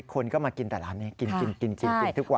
คนก็มากินแต่ร้านนี้กินกินทุกวัน